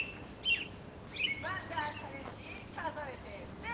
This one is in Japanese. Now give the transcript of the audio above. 「わんだーチャレンジかぞえて１０」！